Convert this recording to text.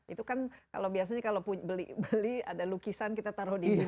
itu kan kalau biasanya kalau beli ada lukisan kita taruh di bio